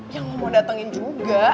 yang mau datengin juga